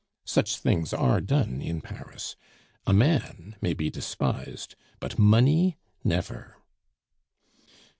Such things are done in Paris; a man may be despised, but money, never.